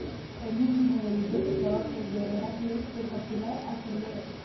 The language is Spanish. El último de los doce trabajos de Heracles fue capturar a Cerbero.